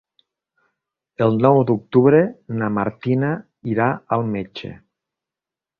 El nou d'octubre na Martina irà al metge.